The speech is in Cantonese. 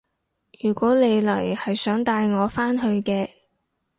如果你嚟係想帶我返去嘅